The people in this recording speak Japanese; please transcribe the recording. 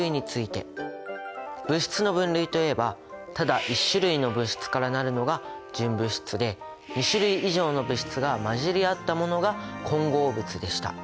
物質の分類といえばただ１種類の物質から成るのが純物質で２種類以上の物質が混じり合ったものが混合物でした。